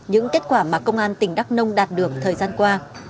những kết quả mà công an tỉnh đắk nông đạt được thời gian qua